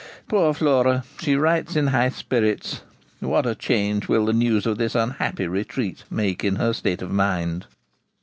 Poor Flora! she writes in high spirits; what a change will the news of this unhappy retreat make in her state of mind!'